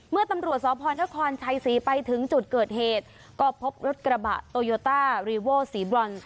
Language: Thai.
เมื่อตำรวจสพนครชัยศรีไปถึงจุดเกิดเหตุก็พบรถกระบะโตโยต้ารีโวสีบรอน